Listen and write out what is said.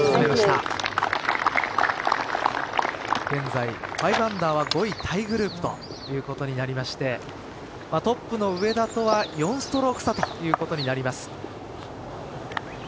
現在５アンダーは５位タイグループということになりましてトップの上田とは４ストローク差になります。